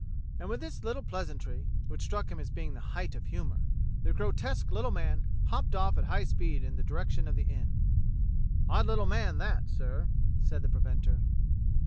And with this little pleasantry, which struck him as being the height of humour, the grotesque little man hopped off at high speed in the direction of the inn. "Odd little man that, sir," said the preventer.